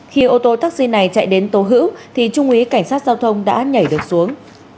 khi ô tô taxi này chạy đến tố hữu thì trung úy cảnh sát giao thông đã nhảy được xuống